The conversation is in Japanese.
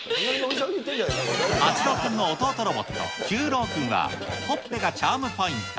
八郎くんの弟ロボット、九郎くんは、ほっぺがチャームポイント。